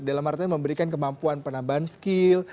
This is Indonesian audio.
dalam artian memberikan kemampuan penambahan skill